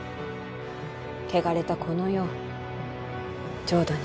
汚れたこの世を浄土に。